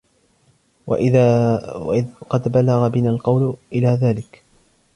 وَإِذْ قَدْ بَلَغَ بِنَا الْقَوْلُ إلَى ذَلِكَ